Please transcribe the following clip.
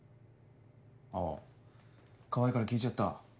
あぁ川合から聞いちゃった？